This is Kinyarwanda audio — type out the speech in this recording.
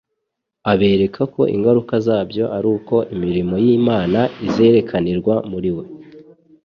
abereka ko ingaruka zabyo ari uko imirimo y'Imana izerekanirwa muri we.